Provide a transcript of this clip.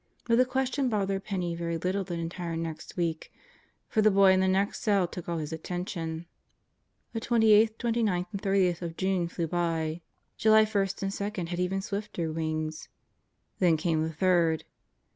But the question bothered Penney very little the entire next week, for the boy in the next cell took all his attention. The 28th, 29th, and 30th of June flew by. July 1 and 2 had even swifter wings. Then came the 3rd.